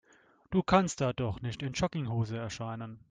Du kannst da doch nicht in Jogginghose erscheinen.